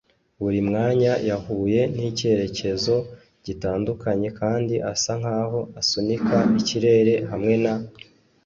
buri mwanya yahuye nicyerekezo gitandukanye kandi asa nkaho asunika ikirere hamwe na